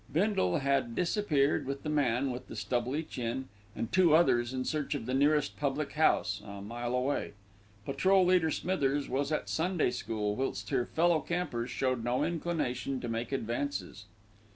Bindle had disappeared with the man with the stubbly chin and two others in search of the nearest public house, a mile away. Patrol leader Smithers was at Sunday school, whilst her fellow campers showed no inclination to make advances.